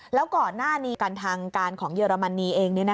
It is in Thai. แล้วก่อนหน้านี้กันทางการของเยอรมนีเอง